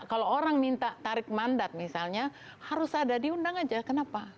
kalau orang minta tarik mandat misalnya harus ada diundang saja kenapa